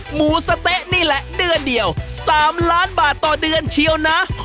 หมูสะเต๊ะนี่แหละเดือนเดียว๓ล้านบาทต่อเดือนเชียวนะ